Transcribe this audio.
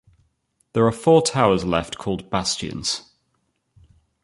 There are four towers left called bastions.